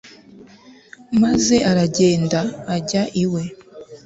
maze aragenda ajya iwe